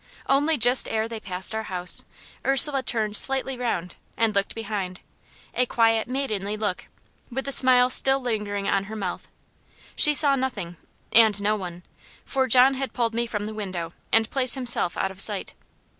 Only just ere they passed our house Ursula turned slightly round, and looked behind; a quiet, maidenly look, with the smile still lingering on her mouth. She saw nothing, and no one; for John had pulled me from the window, and placed himself out of sight.